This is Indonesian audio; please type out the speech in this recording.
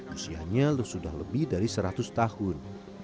usianya sudah lebih dari seratus tahun